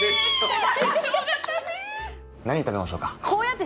何食べましょうか？